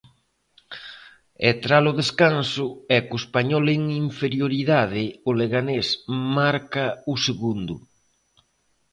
E tras o descanso e co Español en inferioridade, o Leganés marca o segundo.